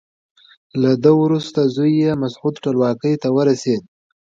له ده وروسته زوی یې مسعود ټولواکۍ ته ورسېد.